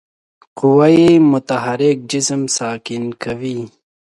قوه متحرک جسم ساکن کوي.